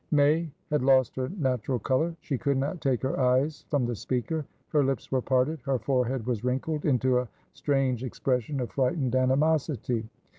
May had lost her natural colour. She could not take her eyes from the speaker; her lips were parted, her forehead was wrinkled into a strange expression of frightened animosity.